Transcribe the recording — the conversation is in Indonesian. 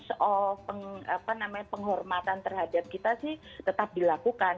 soal penghormatan terhadap kita sih tetap dilakukan